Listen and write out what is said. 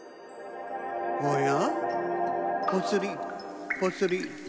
おや？